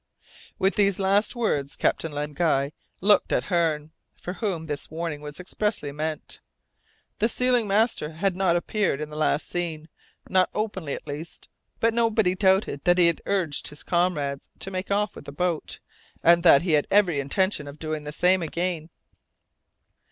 With these last words Captain Len Guy looked at Hearne, for whom this warning was expressly meant. The sealing master had not appeared in the last scene, not openly at least, but nobody doubted that he had urged his comrades to make off with the boat, and that he had every intention of doing the same again.